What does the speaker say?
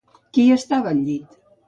Qui estava al llit?